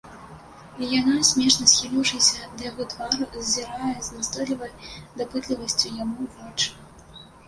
І яна, смешна схіліўшыся да яго твару, зазірае з настойлівай дапытлівасцю яму ў вочы.